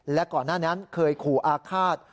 และก่อนหน้านั้นเคยขู่อาฆาต